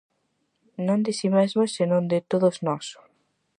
Non de si mesmo se non de todos nós.